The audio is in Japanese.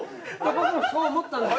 僕もそう思ったんですけど。